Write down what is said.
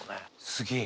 すげえ。